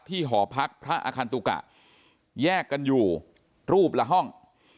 หอพักพระอคันตุกะแยกกันอยู่รูปละห้อง